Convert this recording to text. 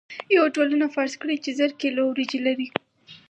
یوه ټولنه فرض کړئ چې زر کیلو وریجې لري.